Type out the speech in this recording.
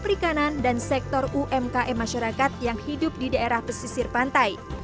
perikanan dan sektor umkm masyarakat yang hidup di daerah pesisir pantai